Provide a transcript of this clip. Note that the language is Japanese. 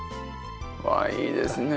うわいいですね。